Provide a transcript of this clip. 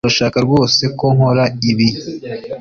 urashaka rwose ko nkora ibi